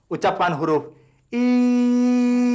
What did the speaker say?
ucapan huruf iiiyah